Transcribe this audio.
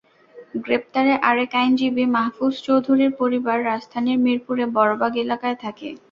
গ্রেপ্তার আরেক আইনজীবী মাহফুজ চৌধুরীর পরিবার রাজধানীর মিরপুরের বড়বাগ এলাকায় থাকে।